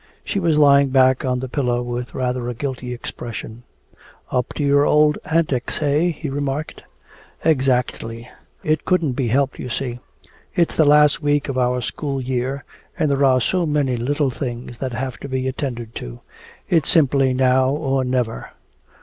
She was lying back on the pillow with rather a guilty expression. "Up to your old antics, eh?" he remarked. "Exactly. It couldn't be helped, you see. It's the last week of our school year, and there are so many little things that have to be attended to. It's simply now or never."